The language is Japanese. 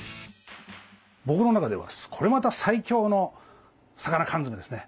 僕の中ではこれまた最強の魚缶詰ですね。